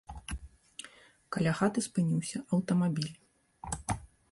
Каля хаты спыніўся аўтамабіль.